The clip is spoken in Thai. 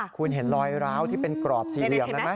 คุณเห็นรอยร้าวที่เป็นกรอบสี่เหลี่ยมนั้นไหม